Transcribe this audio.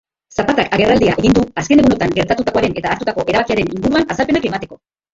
Zapatak agerraldia egin du azken egunotan gertatutakoaren eta hartutako erabakiaren inguruan azalpenak emateko.